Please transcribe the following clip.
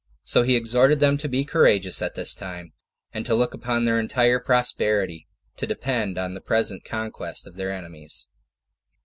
So he exhorted them to be courageous at this time, and to look upon their entire prosperity to depend on the present conquest of their enemies.